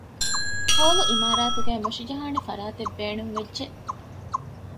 ހޯލު އިމާރާތުގައި މުށިޖަހާނެ ފަރާތެއް ބޭނުންވެއްޖެ